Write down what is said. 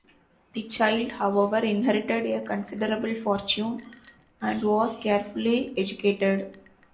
The child, however, inherited a considerable fortune, and was carefully educated.